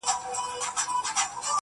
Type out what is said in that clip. o تر ملاغې ئې لاستی دروند سو!